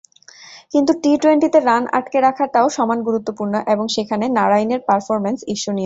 কিন্তু টি-টোয়েন্টিতে রান আটকে রাখাটাও সমান গুরুত্বপূর্ণ এবং সেখানে নারাইনের পারফরম্যান্স ঈর্ষণীয়।